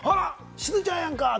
しずちゃんやんか！